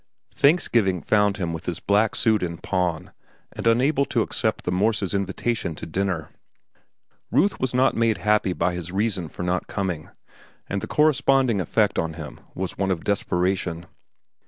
Thanksgiving found him with his black suit in pawn and unable to accept the Morses' invitation to dinner. Ruth was not made happy by his reason for not coming, and the corresponding effect on him was one of desperation.